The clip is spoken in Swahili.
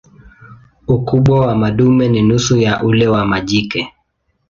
Ukubwa wa madume ni nusu ya ule wa majike.